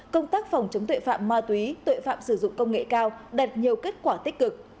công tác phòng chống tuệ phạm ma túy tội phạm sử dụng công nghệ cao đạt nhiều kết quả tích cực